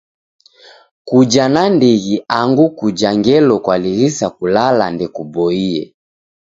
Kuja nandighi angu kuja ngelo kwalighisa kulala ndekuboie.